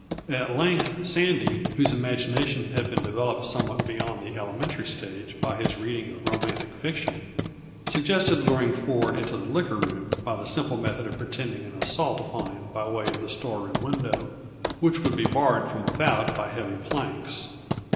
At length Sandy, whose imagination had been developed somewhat beyond the elementary stage by his reading of romantic fiction, suggested luring Ford into the liquor room by the simple method of pretending an assault upon him by way of the storeroom window, which could be barred from without by heavy planks.